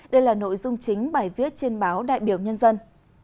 đây là nội dung chính bài viết trên báo đại biểu nhân dân